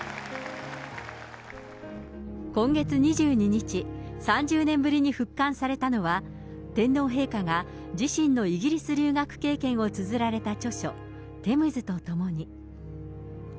今月２２日、３０年ぶりに復刊されたのは、天皇陛下が自身のイギリス留学経験をつづられた著書、テムズとともに。